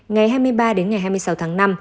ngày hai mươi ba đến ngày hai mươi sáu tháng năm